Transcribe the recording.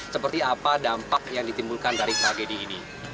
seperti apa dampak yang ditimbulkan dari tragedi ini